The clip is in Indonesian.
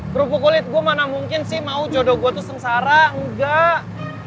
kerupuk kulit gue mana mungkin sih mau jodoh gue tuh sengsara enggak